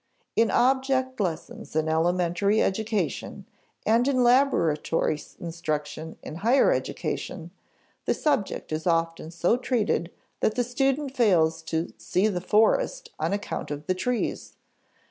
In object lessons in elementary education and in laboratory instruction in higher education, the subject is often so treated that the student fails to "see the forest on account of the trees."